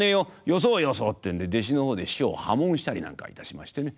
「よそうよそう」ってんで弟子の方で師匠を破門したりなんかいたしましてね。